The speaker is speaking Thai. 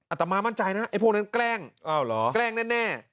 ตมามั่นใจนะไอ้พวกนั้นแกล้งแกล้งแน่